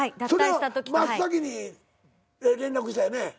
それは真っ先に連絡したよね？